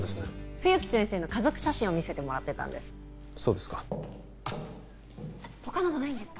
冬木先生の家族写真を見せてもらってたんですそうですか他のもないんですか？